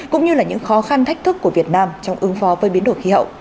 cũng như là những khó khăn thách thức của việt nam trong ứng phó với biến đổi khí hậu